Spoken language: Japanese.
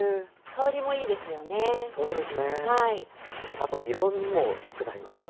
あと色みもよくなりますよね。